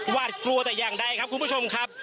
หวาดกลัวแต่อย่างใดครับคุณผู้ชมครับ